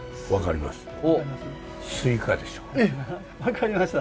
分かりました？